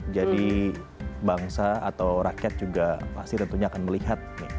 jadi bangsa atau rakyat juga pasti tentunya akan melihat